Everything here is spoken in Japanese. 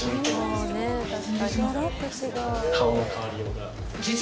顔の変わりようが。